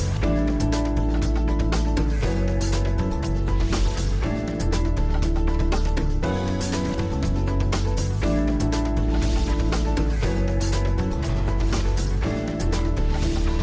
pak hendi baik terima kasih banyak